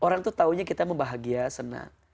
orang tuh taunya kita membahagia senang